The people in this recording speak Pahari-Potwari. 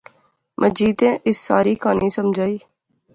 مجیدیں اس ساری کہاںی سمجھائی